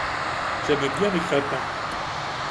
J’aime bien les crêpes.